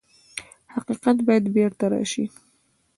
حقیقت باید بېرته راشي.